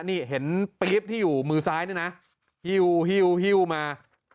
นี่เห็นปริ๊บที่อยู่มือซ้ายนี่นะฮิวฮิวฮิวมา